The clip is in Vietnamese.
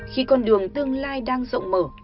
khi con đường tương lai đang rộng mở